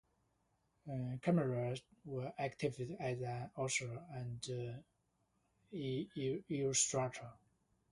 Cremers was active as an author and illustrator.